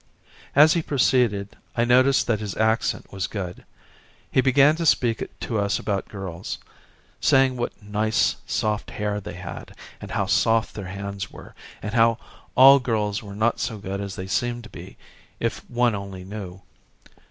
As he proceeded I noticed that his accent was good. He began to speak to us about girls, saying what nice soft hair they had and how soft their hands were and how all girls were not so good as they seemed to be if one only knew.